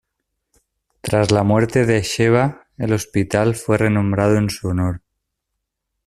Tras la muerte de Sheba, el hospital fue renombrado en su honor.